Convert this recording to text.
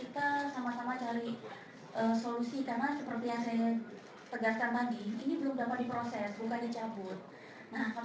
tapi untuk semuanya itu tadi saya sebutkan enam ratus